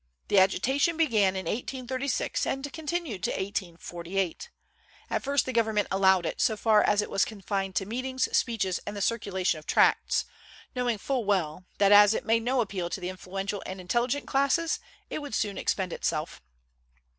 The agitation began in 1836 and continued to 1848. At first the government allowed it, so far as it was confined to meetings, speeches, and the circulation of tracts, knowing full well that, as it made no appeal to the influential and intelligent classes, it would soon expend itself.